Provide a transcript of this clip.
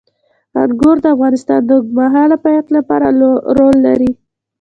انګور د افغانستان د اوږدمهاله پایښت لپاره رول لري.